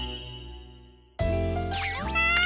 みんな！